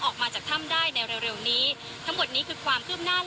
ออกมาจากถ้ำได้ในเร็วนี้ทั้งหมดนี้คือความคืบหน้า